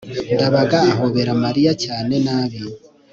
ndabaga ahobera mariya cyane nabi